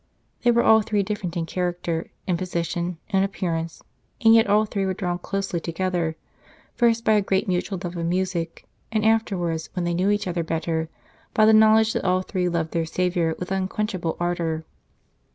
They were all three different in character, in position, in appearance, and yet all three were drawn closely together, first by a great mutual love of music, and afterwards, when they knew each other better, by the knowledge that all three loved their Saviour with unquench able ardour.